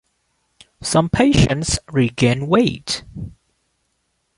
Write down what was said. Some patients regain weight.